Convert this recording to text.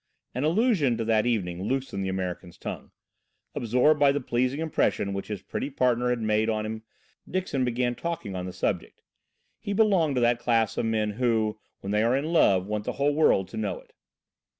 The allusion to that evening loosened the American's tongue. Absorbed by the pleasing impression which his pretty partner had made on him, Dixon began talking on the subject. He belonged to that class of men who, when they are in love, want the whole world to know it.